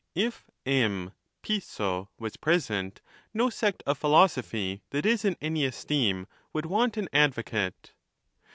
If M. Piso' was present, no sect of philosophy that is in any esteem would want an advocate.